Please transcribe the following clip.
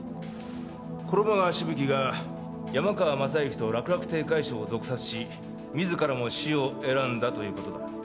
衣川しぶきが山川雅行と楽々亭快笑を毒殺し自らも死を選んだということだ。